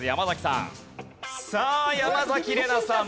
さあ山崎怜奈さん